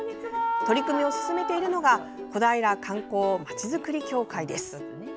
取り組みを進めているのがこだいら観光まちづくり協会です。